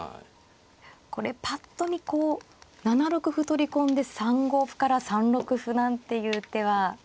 これぱっと見こう７六歩取り込んで３五歩から３六歩なんていう手は。